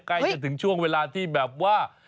ใกล้จะถึงช่วงเวลาที่แบบว่า